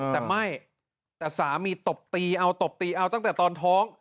แต่ไม่แต่สามีตบตีเอาตบตีเอาตั้งแต่ตอนท้อง